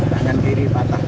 tangan kiri patah